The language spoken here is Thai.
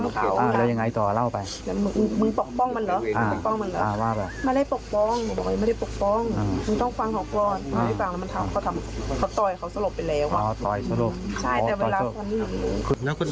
เดี๋ยวผมจะลองโทรภาษาอ่านดูนะ